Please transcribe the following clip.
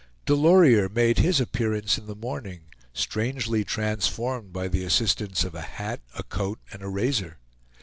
Delorier made his appearance in the morning, strangely transformed by the assistance of a hat, a coat, and a razor.